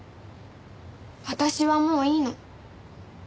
私はもういいの。